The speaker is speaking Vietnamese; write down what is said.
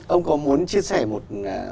ông có muốn chia sẻ một